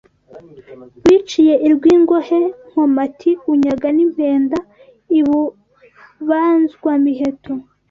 Wiciye i Rwingohe, Nkomati Unyaga n'impenda i Bubanzwamiheto